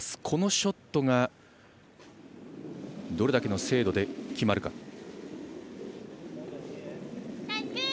このショットがどれだけの精度で決まるか。